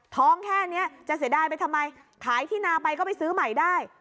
แค่นี้จะเสียดายไปทำไมขายที่นาไปก็ไปซื้อใหม่ได้